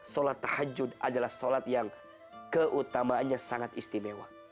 sholat tahajud adalah sholat yang keutamaannya sangat istimewa